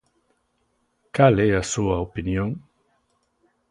¿Cal é a súa opinión?